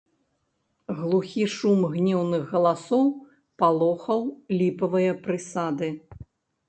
Глухі шум гнеўных галасоў палохаў ліпавыя прысады.